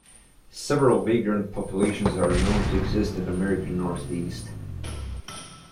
Several vagrant populations are known to exist in the American Northeast.